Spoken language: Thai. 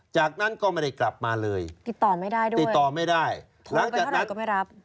จากนั้นก็ไม่ได้กลับมาเลยติดต่อไม่ได้ด้วยติดต่อไม่ได้หลังจากนั้นก็ไม่รับ